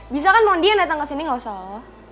bisa kan mau dia yang datang kesini gak usah lo